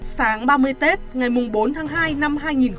sáng ba mươi tết ngày bốn tháng hai năm hai nghìn một mươi chín